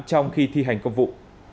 trong khi thi hành công vụ